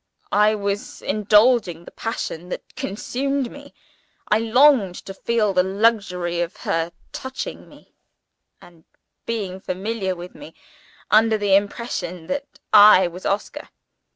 "I was indulging the passion that consumed me! I longed to feel the luxury of her touching me and being familiar with me, under the impression that I was Oscar.